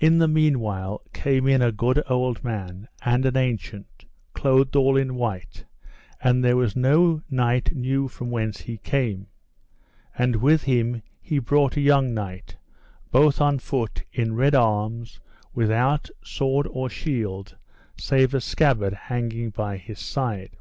In the meanwhile came in a good old man, and an ancient, clothed all in white, and there was no knight knew from whence he came. And with him he brought a young knight, both on foot, in red arms, without sword or shield, save a scabbard hanging by his side.